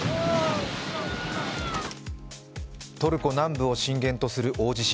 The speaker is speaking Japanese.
トルコ南部を震源とする大地震。